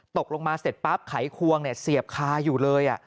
ตกลงมาเสร็จปั๊บไขควงเสียบคาอยู่เลย